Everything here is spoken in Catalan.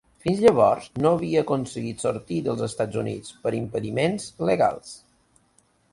Fins llavors no havia aconseguit sortir dels Estats Units per impediments legals.